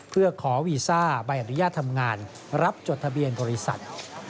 เพื่อขอวีซ่าใบอนุญาตทำงานรับจดทะเบียนบริษัท